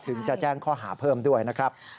จะแจ้งข้อหาเพิ่มด้วยนะครับ